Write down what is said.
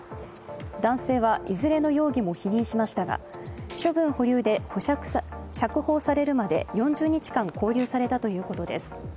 男性はいずれの容疑も否認しましたが処分保留で釈放されるまで４０日間、勾留されたということです